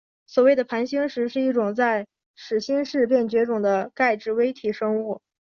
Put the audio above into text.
所谓的盘星石是一种在始新世便绝种的钙质微体生物。